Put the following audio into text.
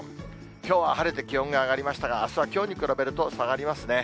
きょうは晴れて気温が上がりましたが、あすはきょうに比べると下がりますね。